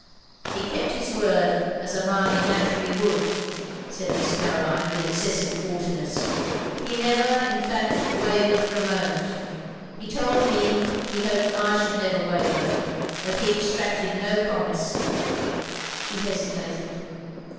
He kept his word, as a Mamey naturally would," said Miss Caroline with excessive haughtiness. "He never, in fact, wavered for a moment. He told me he hoped I shotild never waver. But he extracted no promise." She hesitated.